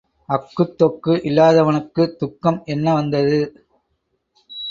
அக்குத் தொக்கு இல்லாதவனுக்குத் துக்கம் என்ன வந்தது?